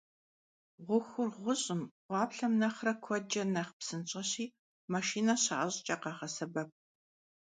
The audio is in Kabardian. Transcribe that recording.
Ğuxur jjırım, ğuaplhem nexhre kuedç'e nexh psınş'eşi, maşşine şaş'ç'e khağesebep.